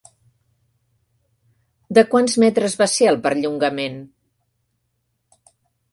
De quants metres va ser el perllongament?